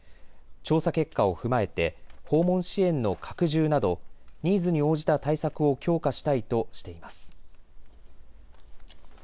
調査結果を踏まえて訪問支援の拡充などニーズに応じた対策を強化したいとしています。